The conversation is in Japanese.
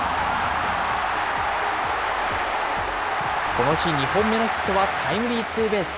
この日、２本目のヒットはタイムリーツーベース。